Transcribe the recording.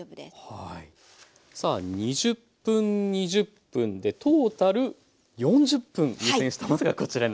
さあ２０分２０分でトータル４０分湯煎したものがこちらになります。